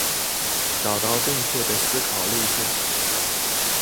找到正確的思考路徑